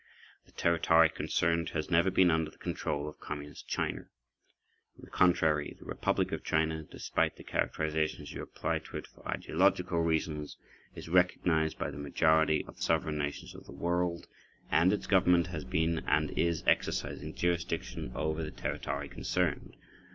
The territory concerned has never been under the control of Communist China. On the contrary, the Republic of China—despite the characterizations you apply to it for ideological reasons—is recognized by the majority of the sovereign nations of the world and its Government has been and is exercising jurisdiction over the territory concerned.